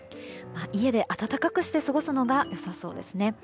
家で暖かくして過ごすのがよさそうですね。